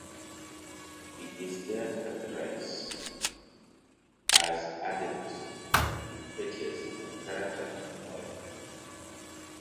He is there characterized as ardent and impetuous in character and style.